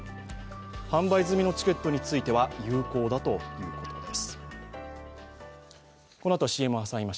販売済みのチケットについては有効だということです。